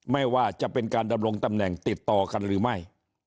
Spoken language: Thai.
ไม่ว่าจะเป็นการดำรงตำแหน่งติดต่อกันหรือไม่